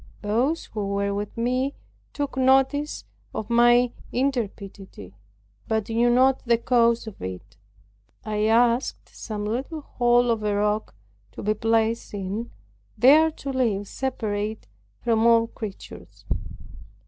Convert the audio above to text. Those who were with me, took notice of my intrepidity, but knew not the cause of it. I asked some little hole of a rock to be placed in, there to live separate from all creatures.